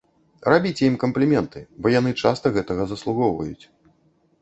Рабіце ім кампліменты, бо яны часта гэтага заслугоўваюць.